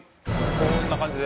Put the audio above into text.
こんな感じで。